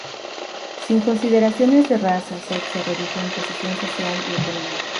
Sin consideraciones de raza, sexo, religión, posición social y económica.